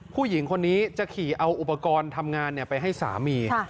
ผู้หญิงคนนี้จะขี่เอาอุปกรณ์ทำงานไปให้สามี